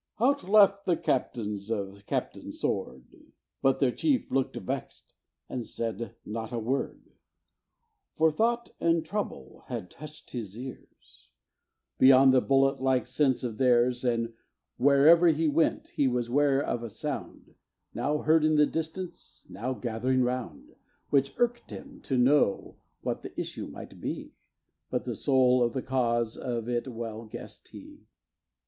Out laugh'd the captains of Captain Sword, But their chief look'd vex'd, and said not a word, For thought and trouble had touch'd his ears Beyond the bullet like sense of theirs, And wherever he went, he was 'ware of a sound Now heard in the distance, now gathering round, Which irk'd him to know what the issue might be; But the soul of the cause of it well guess'd he.